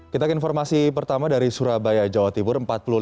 kita ke informasi pertama dari surabaya jawa timur